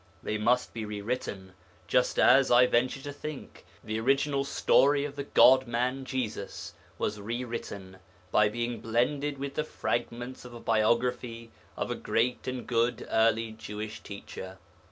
They must be rewritten, just as, I venture to think, the original story of the God man Jesus was rewritten by being blended with the fragments of a biography of a great and good early Jewish teacher.